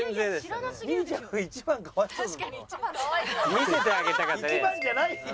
見せてあげたかったね。